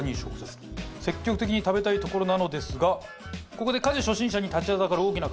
積極的に食べたいところなのですがここで家事初心者に立ちはだかる大きな壁